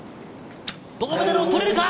銅メダルを取れるか？